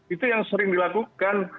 itu yang sering dilakukan